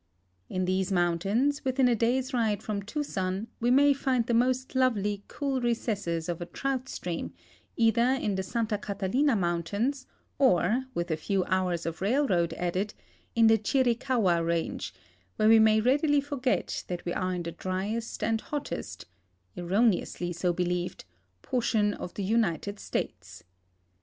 In these mountains, within a day's ride from Tucson, we may find the most lovel}^, cool recesses of a trout stream either in the Santa Catalina mountains or, with a few hours of railroad added, in the Chiricahua range, where we may readily forget that we are in the dryest and hottest — erroneously so believed — portion of the United States.